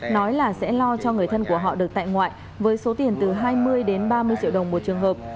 nói là sẽ lo cho người thân của họ được tại ngoại với số tiền từ hai mươi đến ba mươi triệu đồng một trường hợp